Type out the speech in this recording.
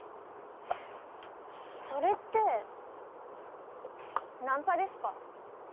それってナンパですか？